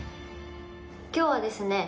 今日はですね